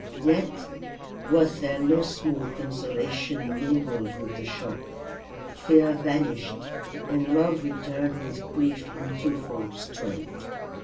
Yet was there no small consolation mingled with the shock. Fear vanished, and love returned with grief in twofold strength.